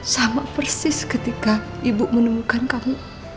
sama persis ketika ibu menemukan kamu